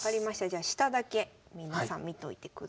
じゃあ下だけ皆さん見といてください。